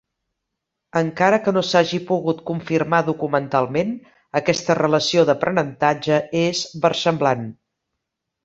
Encara que no s'hagi pogut confirmar documentalment, aquesta relació d'aprenentatge és versemblant.